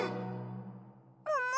もも？